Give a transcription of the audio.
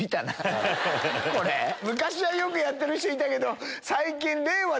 昔はよくやってる人いたけど。